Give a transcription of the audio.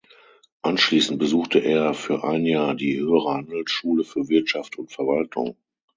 Anschließend besuchte er für ein Jahr die Höhere Handelsschule für Wirtschaft und Verwaltung.